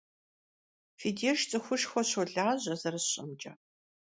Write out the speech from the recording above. Фи деж цӀыхушхуэ щолажьэ, зэрысщӀэмкӀэ.